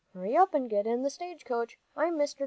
Hurry up and get into the stage coach. I'm Mr. Tisbett."